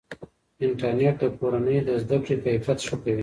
انټرنیټ د کورنۍ د زده کړې کیفیت ښه کوي.